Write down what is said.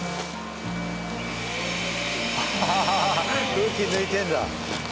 空気抜いてるんだ。